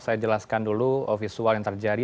saya jelaskan dulu visual yang terjadi